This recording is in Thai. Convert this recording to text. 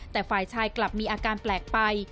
แต่ฝ่ายชายกลับมีอาการแปลกไป